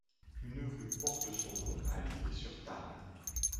Une rue porte son nom à Lisle-sur-Tarn.